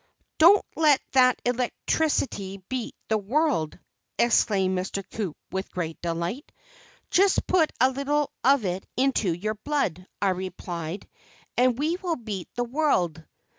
"Don't that electricity beat the world?" exclaimed Mr. Coup with great delight. "Just put a little of it into your blood," I replied, "and we will beat the world."